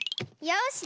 よし。